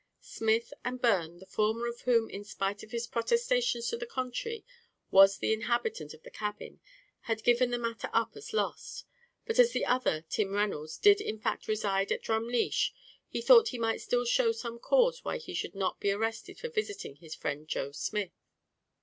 Smith and Byrne, the former of whom in spite of his protestations to the contrary was the inhabitant of the cabin, had given the matter up as lost; but as the other, Tim Reynolds, did in fact reside at Drumleesh, he thought he might still show some cause why he should not be arrested for visiting his friend Joe Smith.